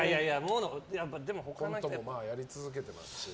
コントもやり続けてますしね。